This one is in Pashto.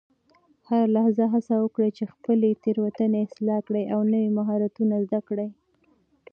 هره لحظه هڅه وکړه چې خپلې تیروتنې اصلاح کړې او نوي مهارتونه زده کړې.